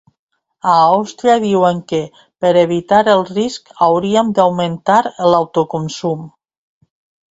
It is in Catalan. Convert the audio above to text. A Àustria diuen que, per evitar el risc, hauríem d’augmentar l’autoconsum.